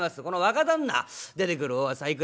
この若旦那出てくるお噂